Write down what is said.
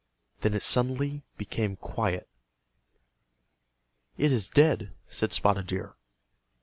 Then it suddenly became quiet. "It is dead," said Spotted Deer.